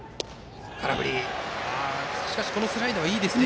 しかしスライダーはいいですね。